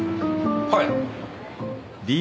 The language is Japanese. はい。